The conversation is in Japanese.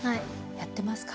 やってますか？